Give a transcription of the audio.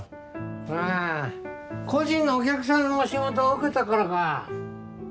ああ個人のお客さんの仕事受けたからか。